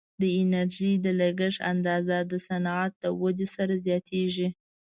د انرژي د لګښت اندازه د صنعت د ودې سره زیاتیږي.